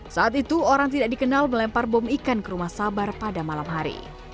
saat itu orang tidak dikenal melempar bom ikan ke rumah sabar pada malam hari